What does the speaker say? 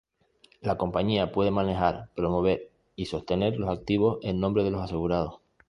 La compañía puede manejar, promover y sostener los activos en nombre de los asegurados.